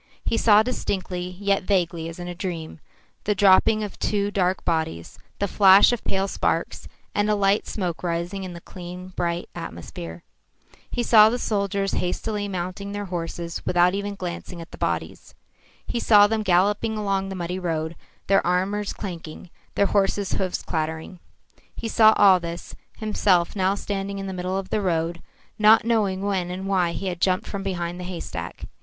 He saw distinctly, yet vaguely as in a dream, the dropping of two dark bodies, the flash of pale sparks, and a light smoke rising in the clean, bright atmosphere. He saw the soldiers hastily mounting their horses without even glancing at the bodies. He saw them galloping along the muddy road, their arms clanking, their horses' hoofs clattering. He saw all this, himself now standing in the middle of the road, not knowing when and why he had jumped from behind the haystack.